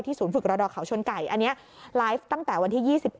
ศูนย์ฝึกระดอกเขาชนไก่อันนี้ไลฟ์ตั้งแต่วันที่๒๗